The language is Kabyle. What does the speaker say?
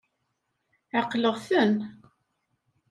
Ɛeqleɣ-ten.